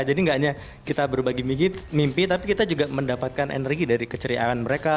jadi nggak hanya kita berbagi mimpi tapi kita juga mendapatkan energi dari keceriaan mereka